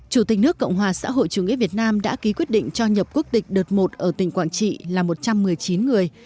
chủ tịch nước cộng hòa xã hội chủ nghĩa việt nam đã ký quyết định cho nhập quốc tịch đợt một ở tỉnh quảng trị là một trăm một mươi chín người